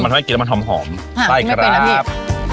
มันให้กินแล้วมันหอมหอมใช่ครับไม่เป็นน้ำอีก